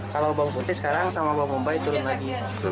kalau bawang putih sekarang sama bawang bombay turun lagi